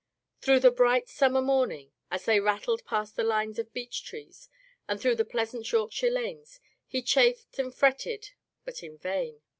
Through the bright summer morning, as they rattled past the lines of beech trees, and through the pleasant Yorkshire lanes, he chafed and fretted, but in vain.